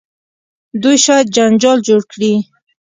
دوی شاید جنجال جوړ کړي.